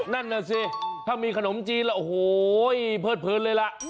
นั่นน่ะสิถ้ามีขนมจีนโหเปิดเลยล่ะ